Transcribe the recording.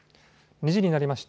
２時になりました。